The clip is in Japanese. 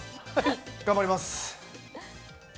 頑張ります。